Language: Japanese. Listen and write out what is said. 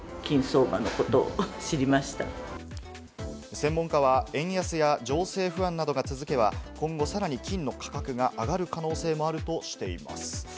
専門家は円安や情勢不安などが続けば今後さらに金の価格が上がる可能性もあるとしています。